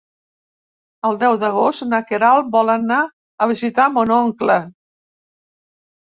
El deu d'agost na Queralt vol anar a visitar mon oncle.